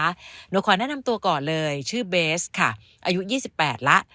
หนูขอแนะนำตัวก่อนเลยชื่อเบสค่ะอายุ๒๘แล้ว